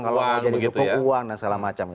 kalau mau jadi ketua uang dan segala macam